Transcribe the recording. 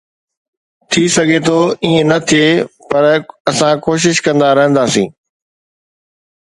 ٿي سگهي ٿو ائين نه ٿئي، پر اسان ڪوشش ڪندا رهنداسين